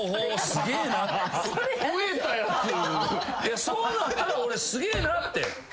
そうなったら俺すげえなって。